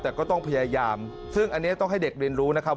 แต่ก็ต้องพยายามซึ่งอันนี้ต้องให้เด็กเรียนรู้นะครับ